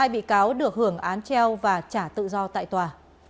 hai bị cáo được hưởng án treo và trả tự do tại tòa